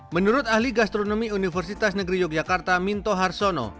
menurut ahli gastronomi universitas negeri yogyakarta minto harsono